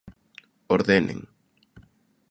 ¡Ordenen!